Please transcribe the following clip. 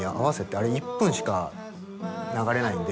あれ１分しか流れないんで。